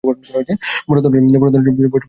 বড় ধরনের বর্ষণ মনে হচ্ছে আসন্ন।